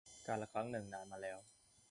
กาลครั้งหนึ่งนานมาแล้ว